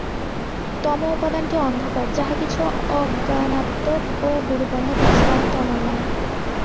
তম উপাদানটি অন্ধকার, যাহা কিছু অজ্ঞানাত্মক ও গুরু পদার্থ সবই তমোময়।